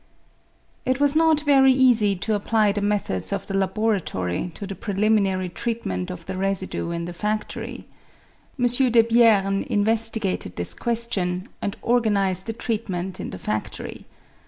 It was not very easy to apply the methods of the laboratory to the preliminary treatment of the residue in the fadory. M. Debierne investigated this question, and organised the treatment in the fadory.